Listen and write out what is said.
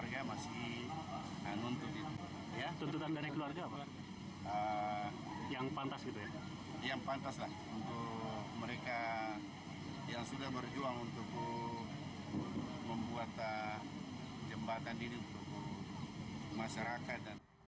yang pantas lah untuk mereka yang sudah berjuang untuk membuat jembatan ini untuk masyarakat